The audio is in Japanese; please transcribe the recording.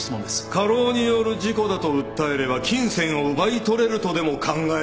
過労による事故だと訴えれば金銭を奪い取れるとでも考えたのではないですか。